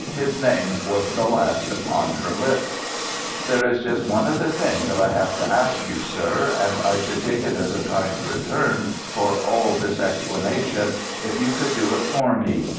His name was the last upon her lips. "There's just one other thing that I have to ask you, sir, and I should take it as a kind return for all this explanation, if you could do it for me.